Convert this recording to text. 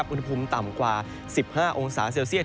อุณหภูมิต่ำกว่า๑๕องศาเซลเซียต